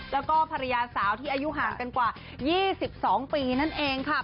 แล้วก็ภรรยาสาวที่อายุห่างกันกว่า๒๒ปีนั่นเองค่ะ